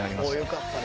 よかったね。